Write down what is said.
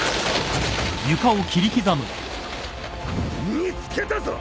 見つけたぞ！